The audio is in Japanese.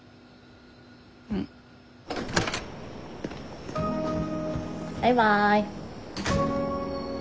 うん。バイバイ。